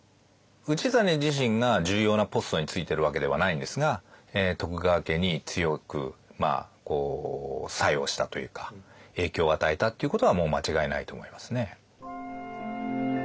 氏真自身が重要なポストについてるわけではないんですが徳川家に強く作用したというか影響を与えたっていうことはもう間違いないと思いますね。